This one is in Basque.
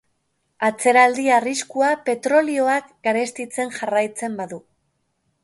Atzeraldi arriskua petrolioak garestitzen jarraitzen badu.